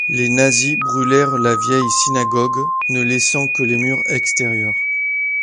Les nazis brûlèrent la vieille synagogue, ne laissant que les murs extérieurs.